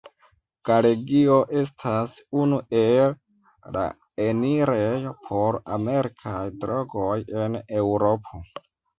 Galegio estas unu el la enirejo por amerikaj drogoj en Eŭropo.